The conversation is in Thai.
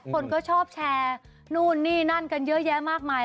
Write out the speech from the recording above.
คนก็ชอบแชร์นู่นนี่นั่นกันเยอะแยะมากมาย